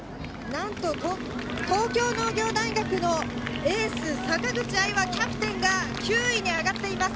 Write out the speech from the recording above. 東京農業大学のエース、坂口愛和キャプテンが９位に上がっています。